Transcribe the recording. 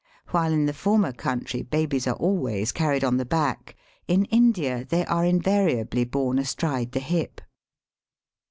While in the former country babies are always carried on the back, in India they are invari ably borne astride the hip.